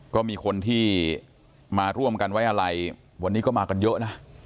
ก็มีคนที่มาร่วมกันไว้อะไรวันนี้ก็มากันเยอะนะ